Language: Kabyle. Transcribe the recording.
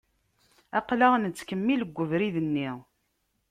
Aqlaɣ nettkemmil deg ubrid-nni.